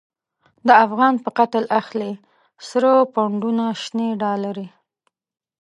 د افغان په قتل اخلی، سره پو نډونه شنی ډالری